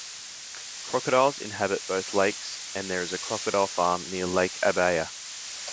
Crocodiles inhabit both lakes and there is a crocodile farm near Lake Abaya.